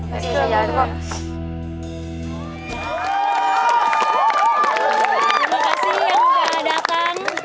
terima kasih ya sudah datang